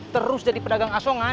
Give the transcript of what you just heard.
terus jadi pedagang asongan